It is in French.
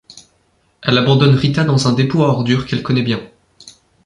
Elle abandonne Rita dans un dépôt à ordures qu'elle connaît bien.